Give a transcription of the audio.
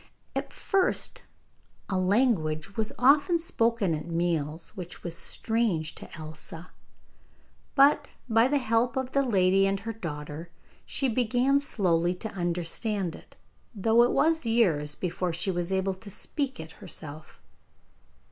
At first a language was often spoken at meals which was strange to Elsa, but by the help of the lady and her daughter she began slowly to understand it, though it was years before she was able to speak it herself.